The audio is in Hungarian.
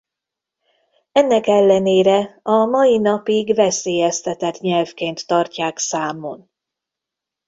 Ennek ellenére a mai napig veszélyeztetett nyelvként tartják számon.